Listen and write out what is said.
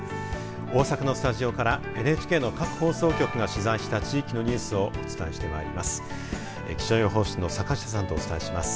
大阪のスタジオからＮＨＫの各放送局が取材した地域のニュースをお伝えしてまいります。